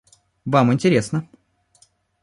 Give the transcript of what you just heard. Вам интересно.